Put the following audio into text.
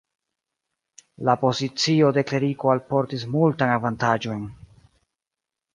La pozicio de kleriko alportis multajn avantaĝojn.